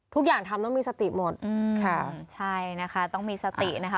ทุกอย่างทำต้องมีสติหมดอืมค่ะใช่นะคะต้องมีสตินะคะ